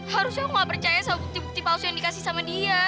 harusnya aku nggak percaya sama bukti bukti palsu yang dikasih sama dia